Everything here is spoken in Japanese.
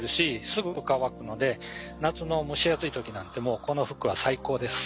すぐ乾くので夏の蒸し暑い時なんてもうこの服は最高です。